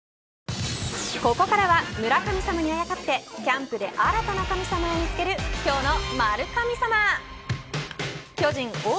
ここからは村神様にあやかってキャンプで新たな神様を見つける今日の○神様。